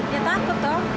ya takut toh